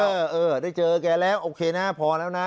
เออได้เจอแกแล้วโอเคนะพอแล้วนะ